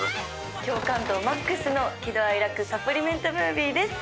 共感度マックスの喜怒哀楽サプリメントムービーです。